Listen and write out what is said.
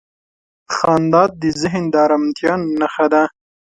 • خندا د ذهن د آرامتیا نښه ده.